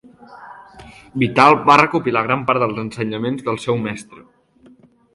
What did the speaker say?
Vital va recopilar gran part dels ensenyaments del seu mestre.